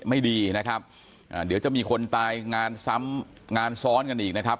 ไม่ดีนะครับอ่าเดี๋ยวจะมีคนตายงานซ้ำงานซ้อนกันอีกนะครับ